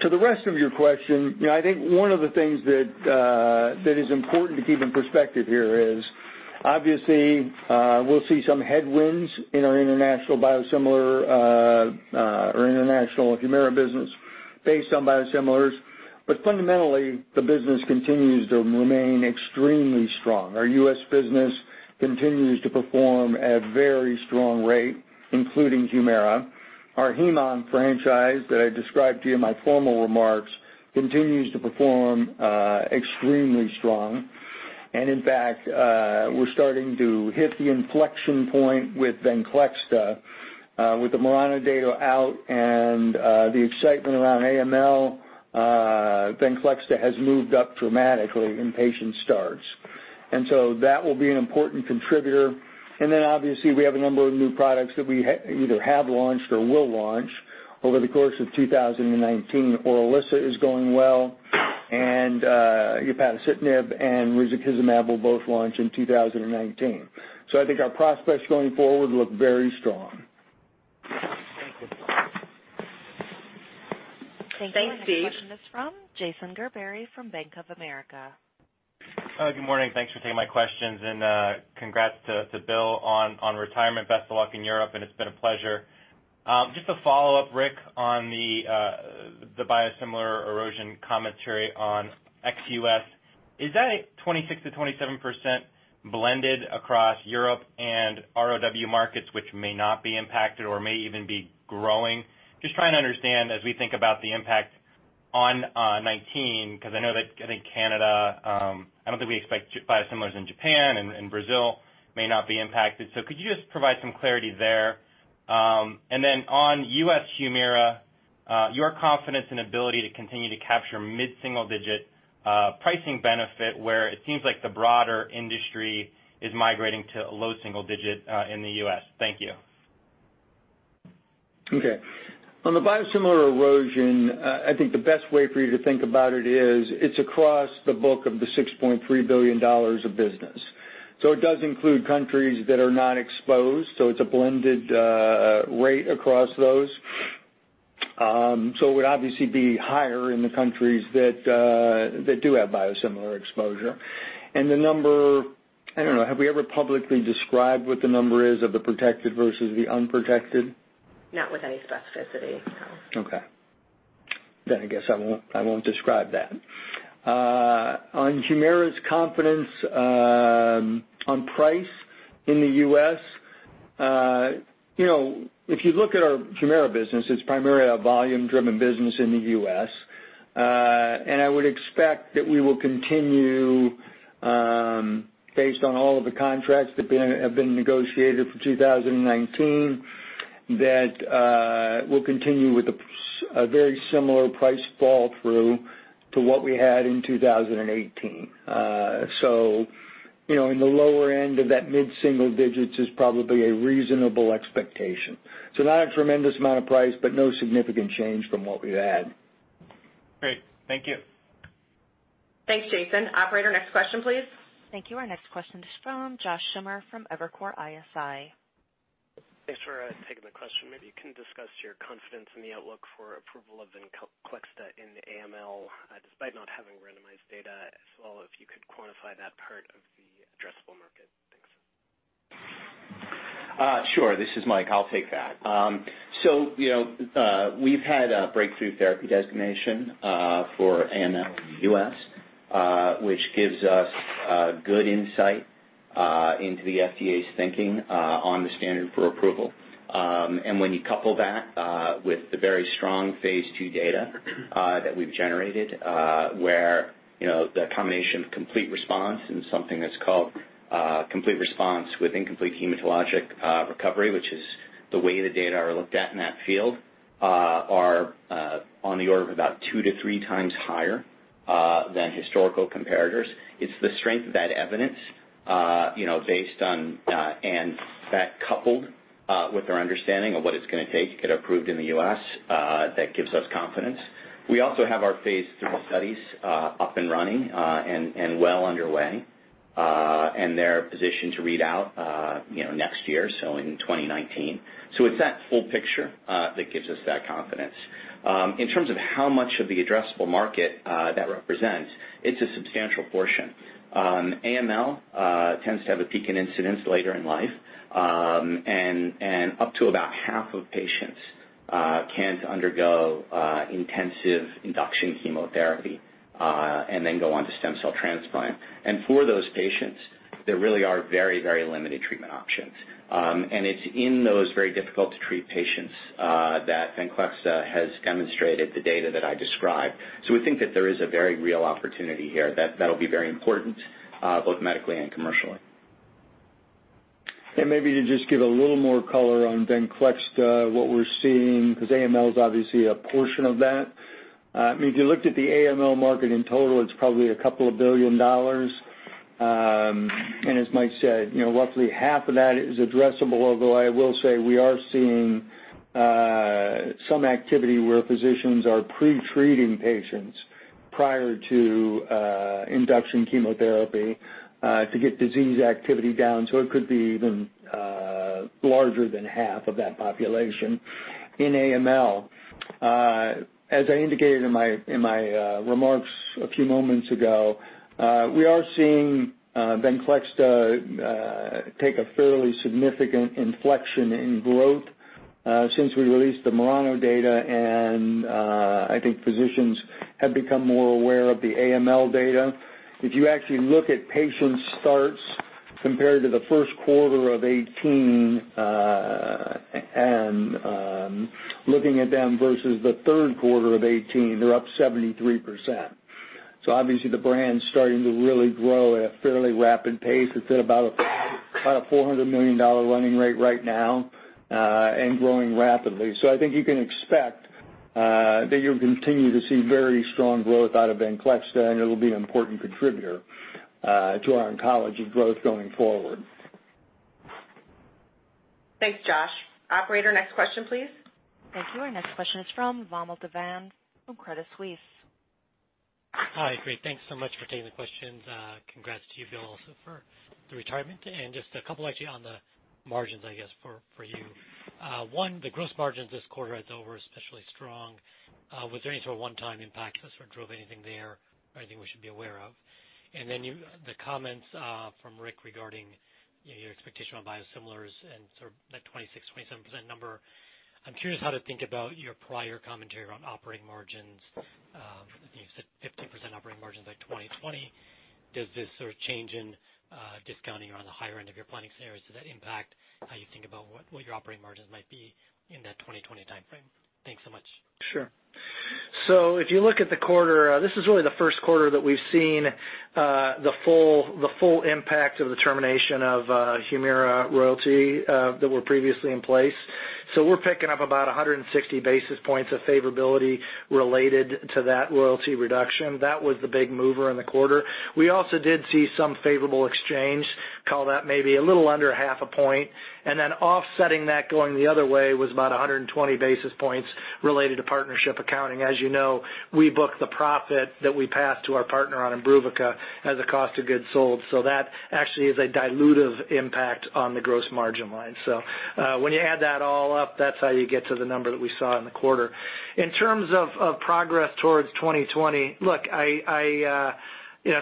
To the rest of your question, I think one of the things that is important to keep in perspective here is obviously we'll see some headwinds in our international Humira business based on biosimilars, but fundamentally, the business continues to remain extremely strong. Our U.S. business continues to perform at very strong rate, including Humira. Our heme onc franchise that I described to you in my formal remarks continues to perform extremely strong. In fact, we're starting to hit the inflection point with VENCLEXTA with the MURANO data out and the excitement around AML, VENCLEXTA has moved up dramatically in patient starts. That will be an important contributor. Obviously, we have a number of new products that we either have launched or will launch over the course of 2019. ORILISSA is going well, and upadacitinib and risankizumab will both launch in 2019. I think our prospects going forward look very strong. Thank you. Thanks, Steve. Our next question is from Jason Gerberry from Bank of America. Hello, good morning. Thanks for taking my questions, and congrats to Bill on retirement. Best of luck in Europe, it's been a pleasure. Just a follow-up, Rick, on the biosimilar erosion commentary on ex-U.S. Is that 26%-27% blended across Europe and ROW markets, which may not be impacted or may even be growing? Just trying to understand as we think about the impact on 2019, because I know that, I think Canada, I don't think we expect biosimilars in Japan and Brazil may not be impacted. Could you just provide some clarity there? On U.S. Humira, your confidence and ability to continue to capture mid-single-digit pricing benefit, where it seems like the broader industry is migrating to low-single-digit in the U.S. Thank you. Okay. On the biosimilar erosion, I think the best way for you to think about it is, it's across the book of the $6.3 billion of business. It does include countries that are not exposed, it's a blended rate across those. It would obviously be higher in the countries that do have biosimilar exposure. The number, I don't know, have we ever publicly described what the number is of the protected versus the unprotected? Not with any specificity, no. Okay. I guess I won't describe that. On Humira's confidence on price in the U.S., if you look at our Humira business, it's primarily a volume-driven business in the U.S. I would expect that we will continue, based on all of the contracts that have been negotiated for 2019, that we'll continue with a very similar price fall through to what we had in 2018. In the lower end of that mid-single digits is probably a reasonable expectation. Not a tremendous amount of price, but no significant change from what we've had. Great. Thank you. Thanks, Jason. Operator, next question, please. Thank you. Our next question is from Josh Schimmer from Evercore ISI. Thanks for taking the question. Maybe you can discuss your confidence in the outlook for approval of VENCLEXTA in the AML, despite not having randomized data, as well, if you could quantify that part of the addressable market. Thanks. Sure. This is Mike, I'll take that. We've had a breakthrough therapy designation for AML in the U.S. which gives us good insight into the FDA's thinking on the standard for approval. When you couple that with the very strong phase II data that we've generated, where the combination of complete response and something that's called complete response with incomplete hematologic recovery, which is the way the data are looked at in that field, are on the order of about two to three times higher than historical comparators. It's the strength of that evidence, and that coupled with our understanding of what it's going to take to get approved in the U.S. that gives us confidence. We also have our phase III studies up and running and well underway. They're positioned to read out next year, so in 2019. It's that full picture that gives us that confidence. In terms of how much of the addressable market that represents, it's a substantial portion. AML tends to have a peak in incidence later in life. Up to about half of patients can't undergo intensive induction chemotherapy, and then go on to stem cell transplant. For those patients, there really are very limited treatment options. It's in those very difficult to treat patients that VENCLEXTA has demonstrated the data that I described. We think that there is a very real opportunity here that'll be very important, both medically and commercially. Maybe to just give a little more color on VENCLEXTA, what we're seeing, because AML is obviously a portion of that. If you looked at the AML market in total, it's probably a couple of billion dollars. As Mike said, roughly half of that is addressable, although I will say we are seeing some activity where physicians are pre-treating patients prior to induction chemotherapy to get disease activity down. It could be even larger than half of that population in AML. As I indicated in my remarks a few moments ago, we are seeing VENCLEXTA take a fairly significant inflection in growth since we released the MURANO data, and I think physicians have become more aware of the AML data. If you actually look at patient starts compared to the first quarter of 2018, and looking at them versus the third quarter of 2018, they're up 73%. Obviously the brand's starting to really grow at a fairly rapid pace. It's at about a $400 million running rate right now, and growing rapidly. I think you can expect that you'll continue to see very strong growth out of VENCLEXTA, and it'll be an important contributor to our oncology growth going forward. Thanks, Josh. Operator, next question, please. Thank you. Our next question is from Vamil Divan from Credit Suisse. Hi, great. Thanks so much for taking the questions. Congrats to you, Bill, also for the retirement. Just a couple actually on the margins, I guess, for you. One, the gross margins this quarter I thought were especially strong. Was there any sort of one-time impact that sort of drove anything there or anything we should be aware of? Then the comments from Rick regarding your expectation on biosimilars and sort of that 26, 27% number. I'm curious how to think about your prior commentary on operating margins. You said 50% operating margins by 2020. Does this sort of change in discounting around the higher end of your planning scenario, does that impact how you think about what your operating margins might be in that 2020 timeframe? Thanks so much. Sure. If you look at the quarter, this is really the first quarter that we've seen the full impact of the termination of Humira royalty that were previously in place. We are picking up about 160 basis points of favorability related to that royalty reduction. That was the big mover in the quarter. We also did see some favorable exchange, call that maybe a little under half a point, and then offsetting that going the other way was about 120 basis points related to partnership accounting. As you know, we book the profit that we pass to our partner on Imbruvica as a cost of goods sold. That actually is a dilutive impact on the gross margin line. When you add that all up, that is how you get to the number that we saw in the quarter. In terms of progress towards 2020, look,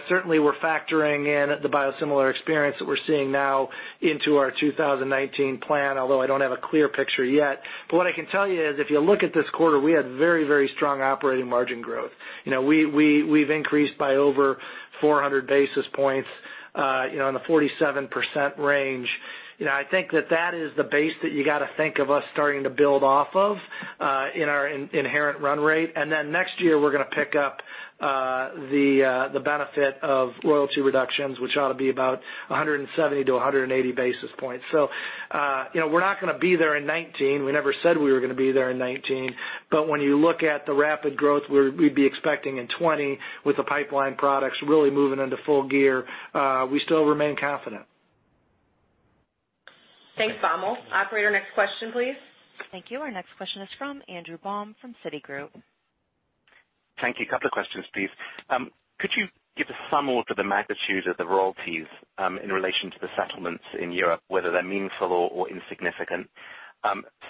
certainly we're factoring in the biosimilar experience that we're seeing now into our 2019 plan, although I don't have a clear picture yet. What I can tell you is if you look at this quarter, we had very strong operating margin growth. We've increased by over 400 basis points in the 47% range. I think that that is the base that you got to think of us starting to build off of in our inherent run rate. Next year we're going to pick up the benefit of royalty reductions, which ought to be about 170 to 180 basis points. We're not going to be there in 2019. We never said we were going to be there in 2019. When you look at the rapid growth we'd be expecting in 2020 with the pipeline products really moving into full gear, we still remain confident. Thanks, Vamil. Operator, next question, please. Thank you. Our next question is from Andrew Baum from Citigroup. Thank you. A couple of questions, please. Could you give a sum or for the magnitude of the royalties in relation to the settlements in Europe, whether they're meaningful or insignificant?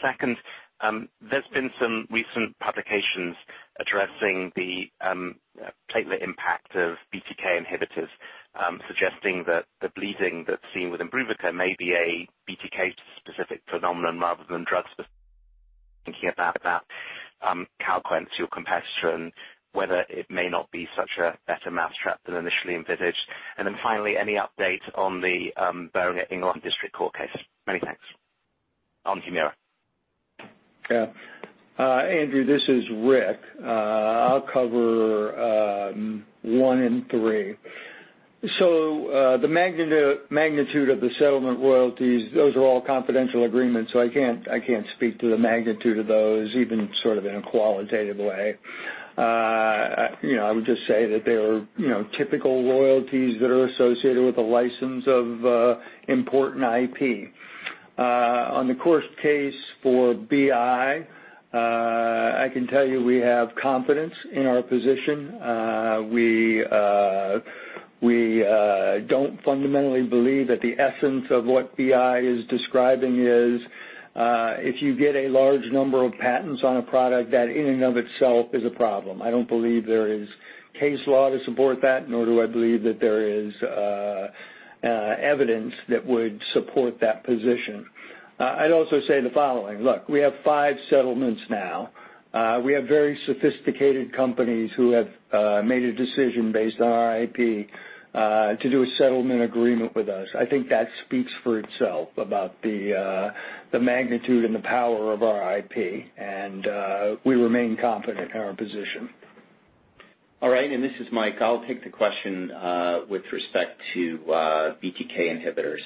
Second, there's been some recent publications addressing the platelet impact of BTK inhibitors suggesting that the bleeding that's seen with Imbruvica may be a BTK-specific phenomenon rather than drug specific. Thinking about Calquence, your competitor, and whether it may not be such a better mousetrap than initially envisaged. Finally, any update on the Boehringer Ingelheim District Court case? Many thanks. On Humira. Andrew, this is Rick. I'll cover one and three. The magnitude of the settlement royalties, those are all confidential agreements, so I can't speak to the magnitude of those, even sort of in a qualitative way. I would just say that they are typical royalties that are associated with a license of important IP. On the court case for BI, I can tell you we have confidence in our position. We don't fundamentally believe that the essence of what BI is describing is if you get a large number of patents on a product, that in and of itself is a problem. I don't believe there is case law to support that, nor do I believe that there is evidence that would support that position. I'd also say the following. Look, we have 5 settlements now. We have very sophisticated companies who have made a decision based on our IP to do a settlement agreement with us. I think that speaks for itself about the magnitude and the power of our IP, and we remain confident in our position. This is Mike. I'll take the question with respect to BTK inhibitors.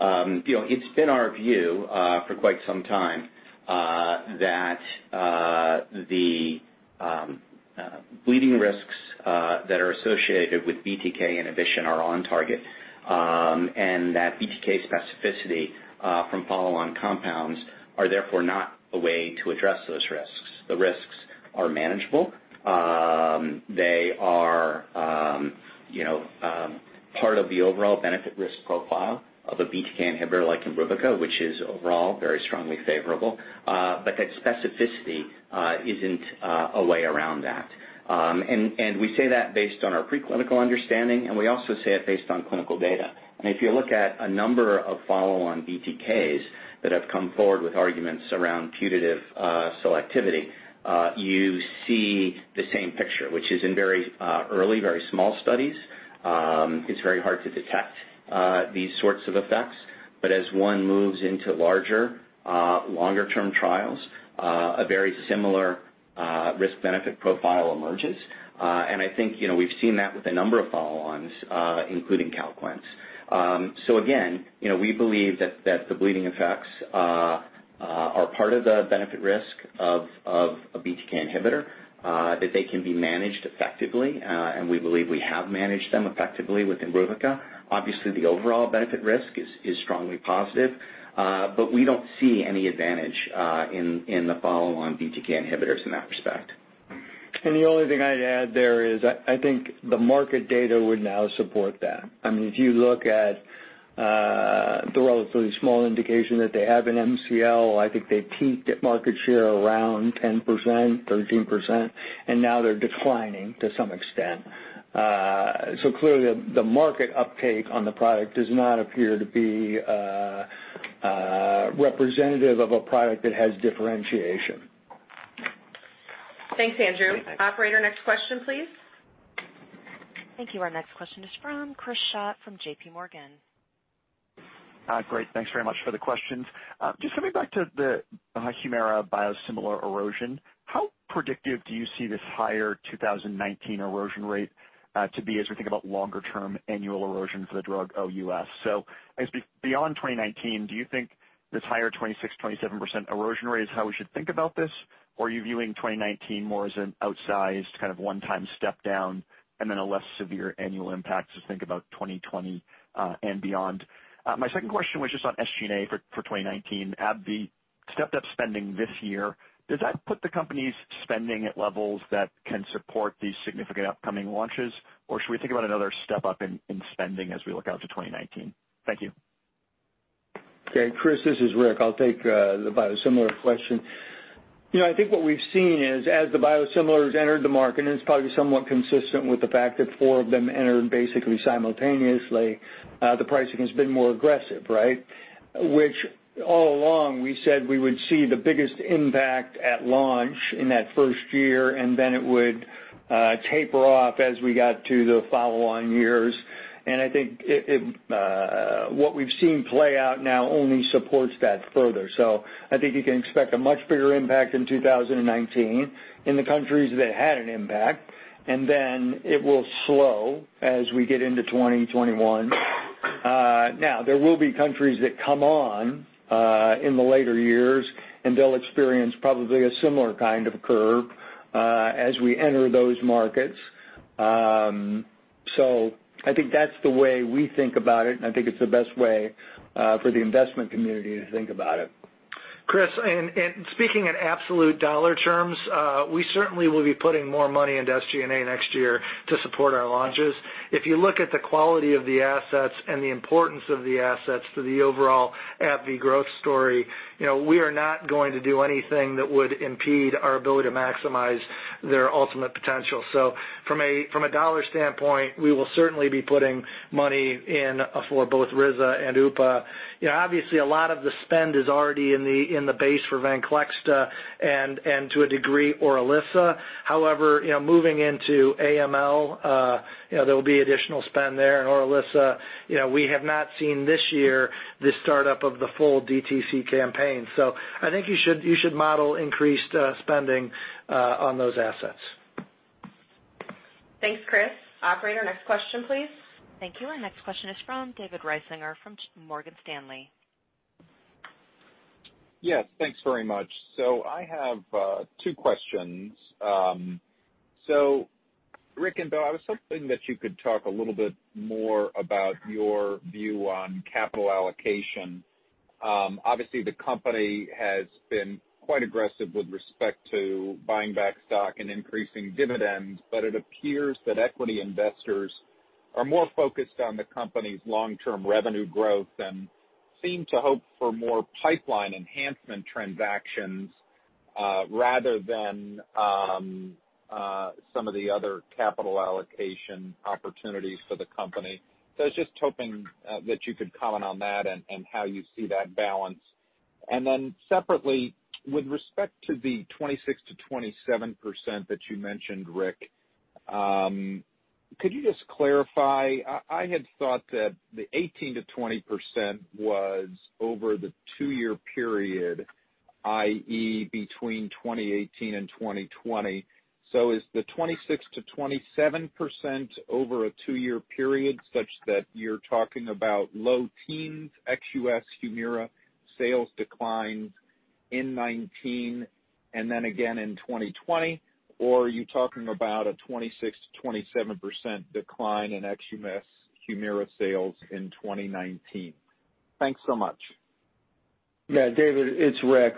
It's been our view for quite some time that the bleeding risks that are associated with BTK inhibition are on target, and that BTK specificity from follow-on compounds are therefore not a way to address those risks. The risks are manageable. They are part of the overall benefit risk profile of a BTK inhibitor like Imbruvica, which is overall very strongly favorable. That specificity isn't a way around that. We say that based on our preclinical understanding, and we also say it based on clinical data. If you look at a number of follow-on BTKs that have come forward with arguments around putative selectivity you see the same picture, which is in very early, very small studies. It's very hard to detect these sorts of effects. As one moves into larger longer-term trials, a very similar risk-benefit profile emerges. I think we've seen that with a number of follow-ons, including Calquence. Again, we believe that the bleeding effects are part of the benefit risk of a BTK inhibitor, that they can be managed effectively, and we believe we have managed them effectively with Imbruvica. Obviously, the overall benefit risk is strongly positive. We don't see any advantage in the follow-on BTK inhibitors in that respect. The only thing I'd add there is, I think the market data would now support that. If you look at the relatively small indication that they have in MCL, I think they peaked at market share around 10%, 13%, and now they're declining to some extent. Clearly, the market uptake on the product does not appear to be representative of a product that has differentiation. Thanks, Andrew. Thanks. Operator, next question, please. Thank you. Our next question is from Chris Schott from JP Morgan. Great. Thanks very much for the questions. Just coming back to the Humira biosimilar erosion, how predictive do you see this higher 2019 erosion rate to be as we think about longer-term annual erosion for the drug OUS? As beyond 2019, do you think this higher 26%-27% erosion rate is how we should think about this? Or are you viewing 2019 more as an outsized kind of one-time step down and then a less severe annual impact as we think about 2020 and beyond? My second question was just on SG&A for 2019. AbbVie stepped up spending this year. Does that put the company's spending at levels that can support these significant upcoming launches? Or should we think about another step up in spending as we look out to 2019? Thank you. Okay, Chris, this is Rick. I'll take the biosimilar question. I think what we've seen is as the biosimilars entered the market, and it's probably somewhat consistent with the fact that four of them entered basically simultaneously, the pricing has been more aggressive, right? Which all along we said we would see the biggest impact at launch in that first year, and then it would taper off as we got to the follow-on years. I think what we've seen play out now only supports that further. I think you can expect a much bigger impact in 2019 in the countries that had an impact, and then it will slow as we get into 2020, 2021. There will be countries that come on in the later years, and they'll experience probably a similar kind of curve as we enter those markets. I think that's the way we think about it, and I think it's the best way for the investment community to think about it. Chris, speaking in absolute dollar terms, we certainly will be putting more money into SG&A next year to support our launches. If you look at the quality of the assets and the importance of the assets to the overall AbbVie growth story, we are not going to do anything that would impede our ability to maximize their ultimate potential. From a dollar standpoint, we will certainly be putting money in for both risankizumab and upadacitinib. Obviously, a lot of the spend is already in the base for VENCLEXTA and to a degree, ORILISSA. However, moving into AML, there will be additional spend there in ORILISSA. We have not seen this year the startup of the full DTC campaign. I think you should model increased spending on those assets. Thanks, Chris. Operator, next question, please. Thank you. Our next question is from David Risinger from Morgan Stanley. Yes, thanks very much. I have two questions. Rick and Bill, I was hoping that you could talk a little bit more about your view on capital allocation. Obviously, the company has been quite aggressive with respect to buying back stock and increasing dividends, but it appears that equity investors are more focused on the company's long-term revenue growth and seem to hope for more pipeline enhancement transactions rather than some of the other capital allocation opportunities for the company. I was just hoping that you could comment on that and how you see that balance. Separately, with respect to the 26%-27% that you mentioned, Rick, could you just clarify? I had thought that the 18%-20% was over the two-year period, i.e., between 2018 and 2020. Is the 26%-27% over a two-year period, such that you're talking about low teens ex-U.S. Humira sales declines in 2019 and then again in 2020? Or are you talking about a 26%-27% decline in ex-U.S. Humira sales in 2019? Thanks so much. Yeah. David, it's Rick.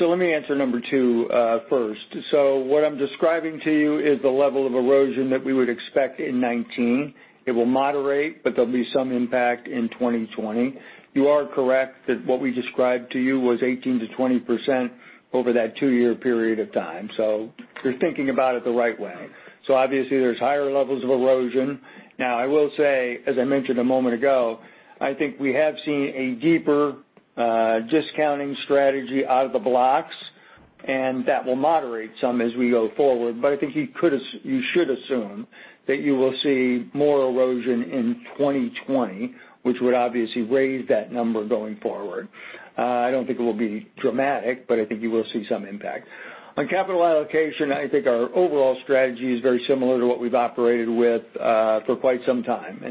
Let me answer number 2 first. What I'm describing to you is the level of erosion that we would expect in 2019. It will moderate, but there'll be some impact in 2020. You are correct that what we described to you was 18%-20% over that two-year period of time. You're thinking about it the right way. Obviously, there's higher levels of erosion. Now, I will say, as I mentioned a moment ago, I think we have seen a deeper discounting strategy out of the blocks, and that will moderate some as we go forward. I think you should assume that you will see more erosion in 2020, which would obviously raise that number going forward. I don't think it will be dramatic, but I think you will see some impact. On capital allocation, I think our overall strategy is very similar to what we've operated with for quite some time,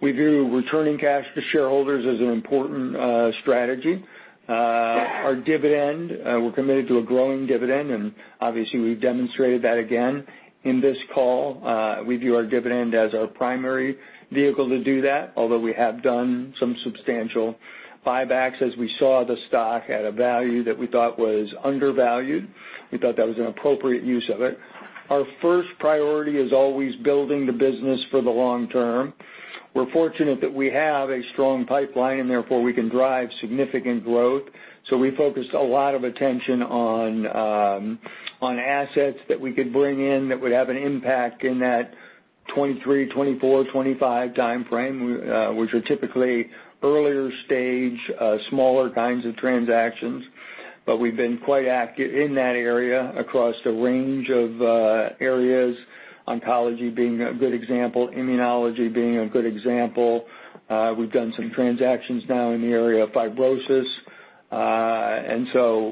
we view returning cash to shareholders as an important strategy. Our dividend, we're committed to a growing dividend, and obviously, we've demonstrated that again in this call. We view our dividend as our primary vehicle to do that, although we have done some substantial buybacks as we saw the stock at a value that we thought was undervalued. We thought that was an appropriate use of it. Our first priority is always building the business for the long term. We're fortunate that we have a strong pipeline, and therefore we can drive significant growth. We focused a lot of attention on assets that we could bring in that would have an impact in that 2023, 2024, 2025 timeframe, which are typically earlier stage, smaller kinds of transactions. We've been quite active in that area across a range of areas, oncology being a good example, immunology being a good example. We've done some transactions now in the area of fibrosis.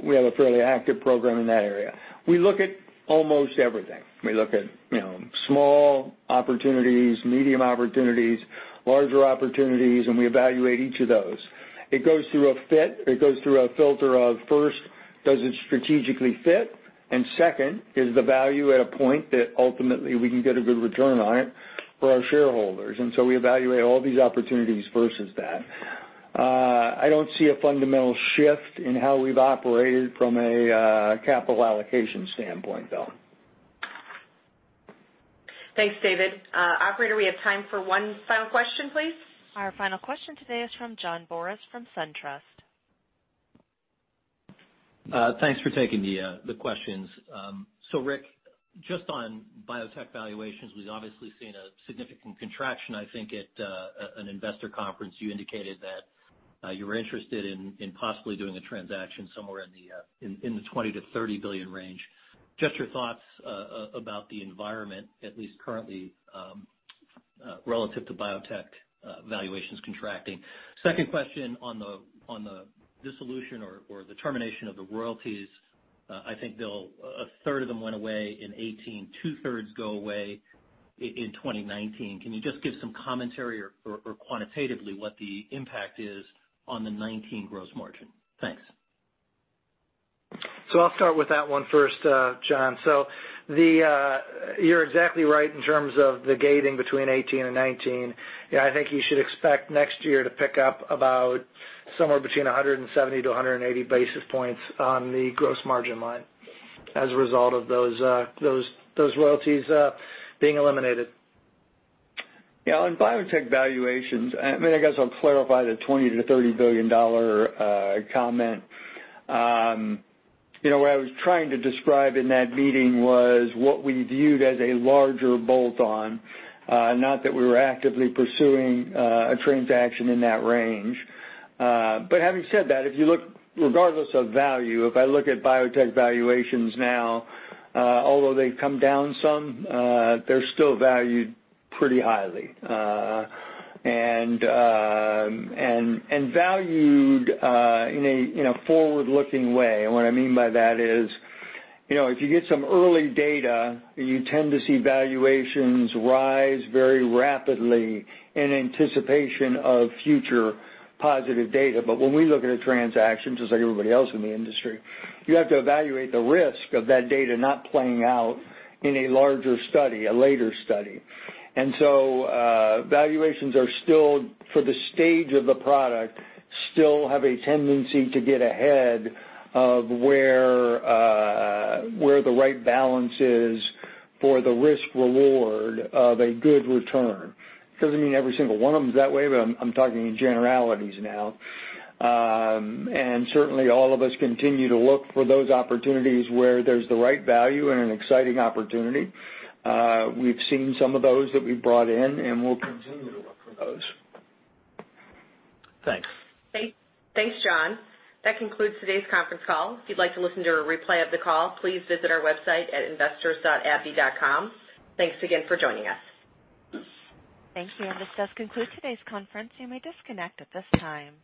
We have a fairly active program in that area. We look at almost everything. We look at small opportunities, medium opportunities, larger opportunities, and we evaluate each of those. It goes through a fit. It goes through a filter of first, does it strategically fit? Second, is the value at a point that ultimately we can get a good return on it for our shareholders? We evaluate all these opportunities versus that. I don't see a fundamental shift in how we've operated from a capital allocation standpoint, though. Thanks, David. Operator, we have time for one final question, please. Our final question today is from John Boris from SunTrust. Thanks for taking the questions. Rick, just on biotech valuations, we've obviously seen a significant contraction. I think at an investor conference, you indicated that you were interested in possibly doing a transaction somewhere in the $20 billion-$30 billion range. Just your thoughts about the environment, at least currently, relative to biotech valuations contracting. Second question on the dissolution or the termination of the royalties. I think a third of them went away in 2018, two-thirds go away in 2019. Can you just give some commentary or quantitatively what the impact is on the 2019 gross margin? Thanks. I'll start with that one first, John. You're exactly right in terms of the gating between 2018 and 2019. I think you should expect next year to pick up about somewhere between 170 to 180 basis points on the gross margin line as a result of those royalties being eliminated. On biotech valuations, I guess I'll clarify the $20 billion-$30 billion comment. What I was trying to describe in that meeting was what we viewed as a larger bolt-on, not that we were actively pursuing a transaction in that range. Having said that, if you look regardless of value, if I look at biotech valuations now, although they've come down some, they're still valued pretty highly. Valued in a forward-looking way. What I mean by that is, if you get some early data, you tend to see valuations rise very rapidly in anticipation of future positive data. When we look at a transaction, just like everybody else in the industry, you have to evaluate the risk of that data not playing out in a larger study, a later study. Valuations are still for the stage of the product, still have a tendency to get ahead of where the right balance is for the risk-reward of a good return. It doesn't mean every single one of them is that way, but I'm talking in generalities now. Certainly, all of us continue to look for those opportunities where there's the right value and an exciting opportunity. We've seen some of those that we've brought in, and we'll continue to look for those. Thanks. Thanks, John. That concludes today's conference call. If you'd like to listen to a replay of the call, please visit our website at investors.abbvie.com. Thanks again for joining us. Thank you. This does conclude today's conference. You may disconnect at this time.